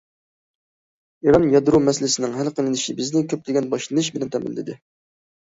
ئىران يادرو مەسىلىسىنىڭ ھەل قىلىنىشى بىزنى كۆپلىگەن باشلىنىش بىلەن تەمىنلىدى.